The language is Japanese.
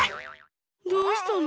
どうしたの？